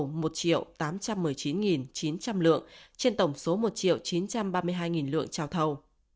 trong năm hai nghìn một mươi ba ngân hàng nhà nước đã tổ chức một tám trăm một mươi chín chín trăm linh lượng trên tổng số một chín trăm ba mươi hai lượng trào thầu